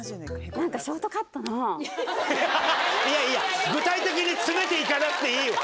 いやいや、具体的に詰めていかなくていいよ。